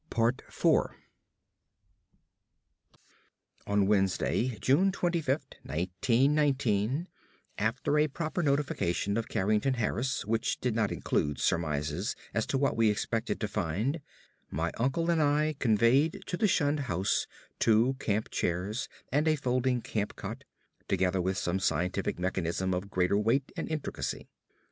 4 On Wednesday, June 25, 1919, after a proper notification of Carrington Harris which did not include surmises as to what we expected to find, my uncle and I conveyed to the shunned house two camp chairs and a folding camp cot, together with some scientific mechanism of greater weight and intricacy.